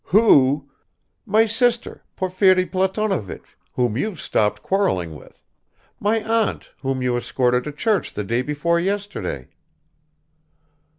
"Who? My sister, Porfiry Platonovich, whom you've stopped quarreling with, my aunt, whom you escorted to church the day before yesterday."